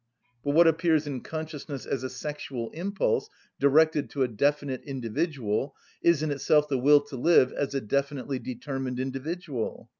But what appears in consciousness as a sexual impulse directed to a definite individual is in itself the will to live as a definitely determined individual.